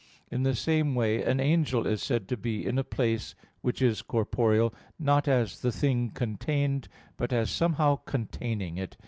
In the same way an angel is said to be in a place which is corporeal, not as the thing contained, but as somehow containing it.